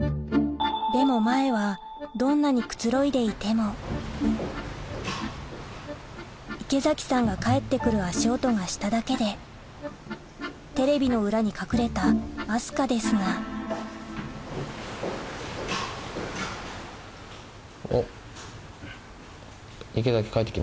でも前はどんなにくつろいでいても池崎さんが帰って来る足音がしただけでテレビの裏に隠れた明日香ですがおっ。